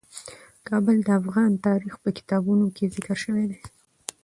کابل د افغان تاریخ په کتابونو کې ذکر شوی دي.